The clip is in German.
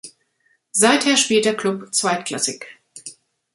Seither spielt der Klub zweitklassig.